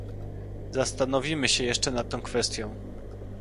Zastanowimy się jeszcze nad tą kwestią